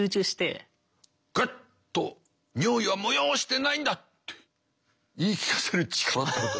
グッと尿意は催してないんだって言い聞かせる力ってこと。